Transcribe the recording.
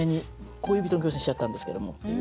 「恋人の嬌声」にしちゃったんですけどもっていう。